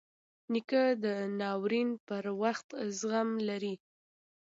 نیکه د ناورین پر وخت زغم لري.